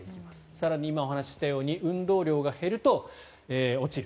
更に今お話ししたように運動量が減ると落ちる。